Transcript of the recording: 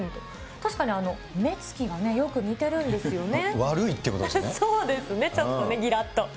確かに目つきがね、よく似てるんですよね。